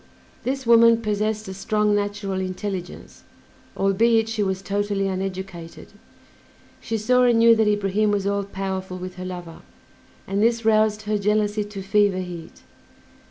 This woman possessed a strong natural intelligence, albeit she was totally uneducated; she saw and knew that Ibrahim was all powerful with her lover, and this roused her jealousy to fever heat.